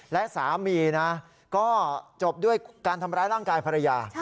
และสามีนะก็จบด้วยการทำร้ายร่างกายภรรยา